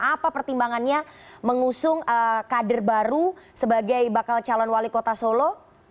apa pertimbangannya mengusung kader baru sebagai bakal calon wali kota solo